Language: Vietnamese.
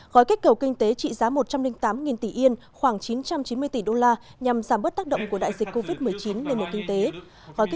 gói kích cầu kinh tế trị giá một trăm linh tám tỷ yên khoảng chín trăm chín mươi tỷ đô la nhằm giảm bớt tác động của đại dịch covid một mươi chín lên một kinh tế